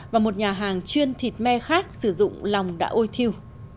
và một nhà hàng chuyên thịt me khác sử dụng lòng đã ôi thiêu